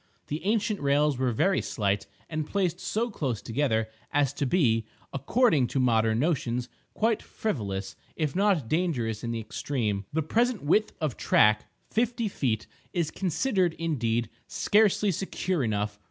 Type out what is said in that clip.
The ancient rails were very slight, and placed so close together as to be, according to modern notions, quite frivolous, if not dangerous in the extreme. The present width of track—fifty feet—is considered, indeed, scarcely secure enough.